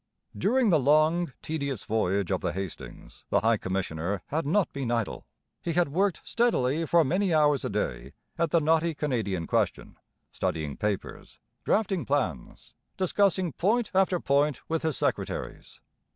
During the long, tedious voyage of the Hastings the High Commissioner had not been idle. He had worked steadily for many hours a day at the knotty Canadian question, studying papers, drafting plans, discussing point after point with his secretaries.